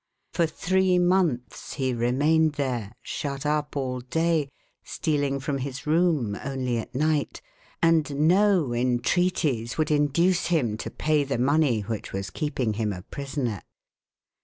For three months he remained there, shut up all day, stealing from his room only at night, and no entreaties would induce him to pay the money which was keeping him a prisoner.